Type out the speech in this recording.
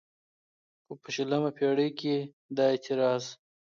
خو په شلمه پېړۍ کې دا اعتراض